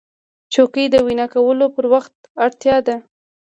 چوکۍ د وینا کولو پر وخت اړتیا ده.